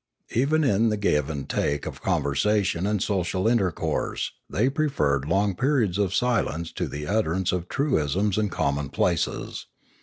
Even in the give and take of conversation and social intercourse they preferred long periods of silence to the utterance of truisms and com monplaces.